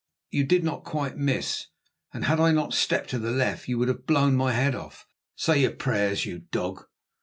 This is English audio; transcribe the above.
"You did not quite miss, and had I not stepped to the left, you would have blown my head off. Say your prayers, you dog!"